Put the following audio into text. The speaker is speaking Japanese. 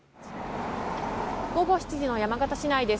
午後７時の山形市内です。